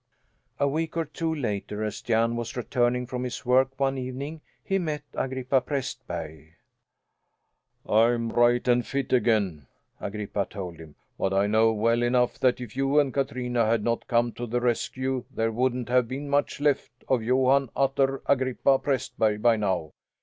A week or two later, as Jan was returning from his work one evening, he met Agrippa Prästberg. "I'm right and fit again," Agrippa told him. "But I know well enough that if you and Katrina had not come to the rescue there wouldn't have been much left of Johan Utter Agrippa Prästberg by now.